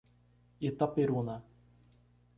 Itaperuna